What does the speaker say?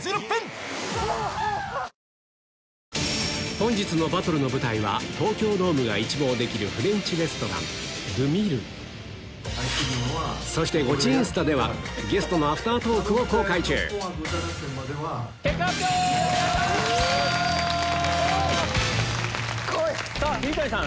本日のバトルの舞台は東京ドームが一望できるそしてゴチ・インスタではゲストのアフタートークを公開中桐谷さん